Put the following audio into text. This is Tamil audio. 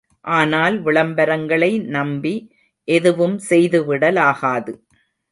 ஆனால் விளம்பரங்களை நம்பி எதுவும் செய்துவிட லாகாது.